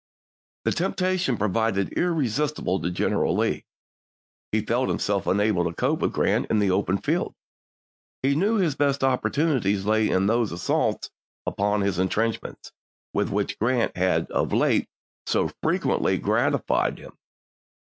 The temptation proved irresistible to General Lee. He felt himself unable to cope with Grant in the open field ; he knew his best opportunities lay in those assaults upon his intrenchments with which Grant had of late so frequently gratified him.